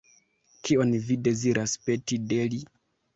Kion vi deziras peti de li?